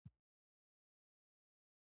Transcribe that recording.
ایا ستاسو ورور ستاسو ملاتړ دی؟